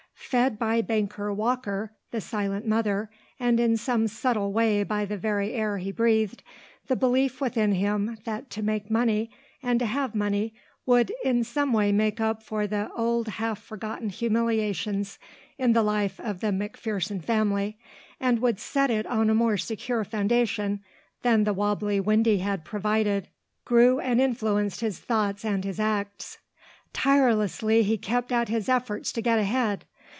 Fed by banker Walker, the silent mother, and in some subtle way by the very air he breathed, the belief within him that to make money and to have money would in some way make up for the old half forgotten humiliations in the life of the McPherson family and would set it on a more secure foundation than the wobbly Windy had provided, grew and influenced his thoughts and his acts. Tirelessly he kept at his efforts to get ahead.